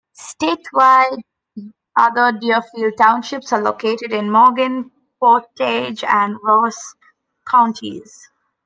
Statewide, other Deerfield Townships are located in Morgan, Portage, and Ross Counties.